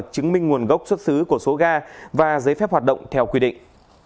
chứng minh nguồn gốc xuất xứ của số ga và giấy phép hoạt động theo quy định